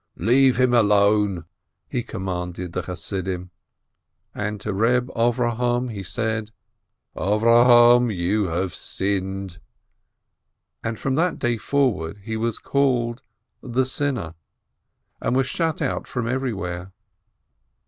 "Leave him alone !" he commanded the Chassidim. And to Reb Avrohom he said : "Avrohom, you have sinned !" And from that day forward he was called the Sinner, and was shut out from everywhere.